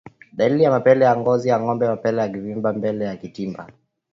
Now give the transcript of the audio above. Dalili ya mapele ya ngozi kwa ngombe ni mapele kuvimba mbele ya kidari